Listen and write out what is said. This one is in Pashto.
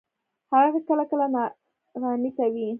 هغه کله کله ناړامي کوي.